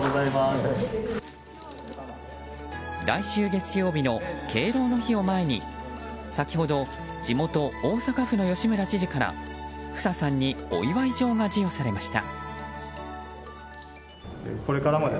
来週月曜日の敬老の日を前に先ほど地元・大阪府の吉村知事からフサさんにお祝い状が授与されました。